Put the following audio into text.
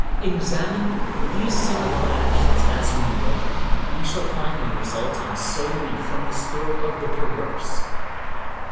Examine these similar actions as we will, we shall find them resulting solely from the spirit of the Perverse.